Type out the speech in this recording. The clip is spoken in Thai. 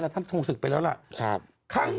ท่านศึกไปแล้ว